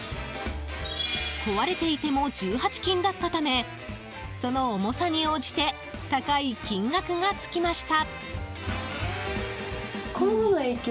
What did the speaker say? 壊れていても１８金だったためその重さに応じて高い金額がつきました。